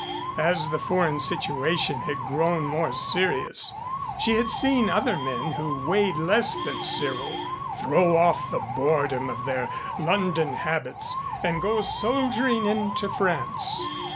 As the foreign situation had grown more serious she had seen other men who weighed less than Cyril throw off the boredom of their London habits and go soldiering into France.